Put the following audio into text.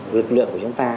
lực lượng của chúng ta